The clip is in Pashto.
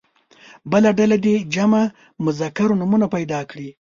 بله ډله دې جمع مذکر نومونه پیدا کړي.